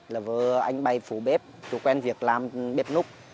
là vừa anh bay phố bếp chưa quen việc làm bếp nút